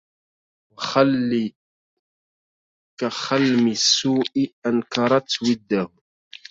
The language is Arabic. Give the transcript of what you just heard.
وخل كخلم السوء أنكرت وده